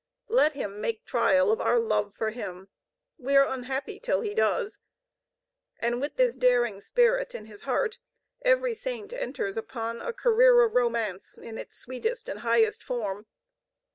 Let Him make trial of our love for Him! We are unhappy till He does! And with this daring spirit in his heart every Saint enters upon a career of Romance in its sweetest and highest form.